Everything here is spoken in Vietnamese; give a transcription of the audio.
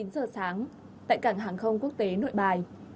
chín giờ sáng tại cảng hàng không quốc tế nội bài